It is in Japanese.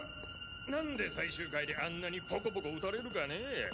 何で最終回であんなにポコポコ打たれるかねェ。